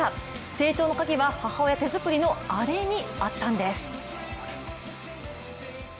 成長のカギは母親手作りのアレにあったんです